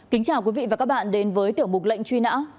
kính chào quý vị và các bạn đến với tiểu mục lệnh truy nã